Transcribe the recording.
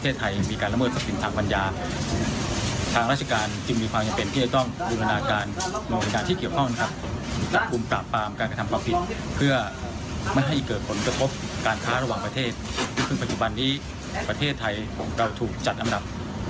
๔แสนบาทครับ